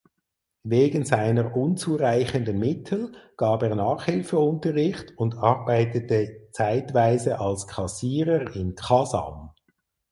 Wegen seiner unzureichenden Mittel gab er Nachhilfeunterricht und arbeitete zeitweise als Kassierer in Kasan.